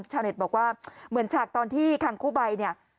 ชาวเน็ตบอกว่าเหมือนชากตอนที่คังคู่บ่าย